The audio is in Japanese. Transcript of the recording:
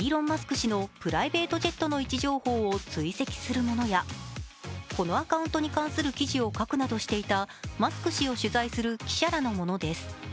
氏のプライベートジェットの位置情報を追跡するものやこのアカウントに関する記事を書くなどしていたマスク氏を取材する記者らのものです。